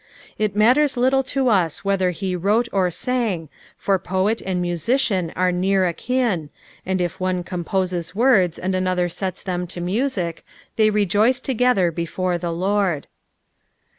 It matters little lo ws whether he wrote w sang, for poet and musician are near akin, and if one composes aords and another sets them lo mime, they rejoice togeOier b^iyre the Lord.